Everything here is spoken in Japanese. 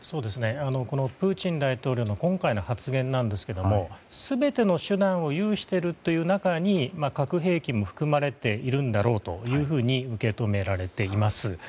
このプーチン大統領の今回の発言ですが全ての手段を有しているという中に核兵器も含まれているんだろうと受け止められています。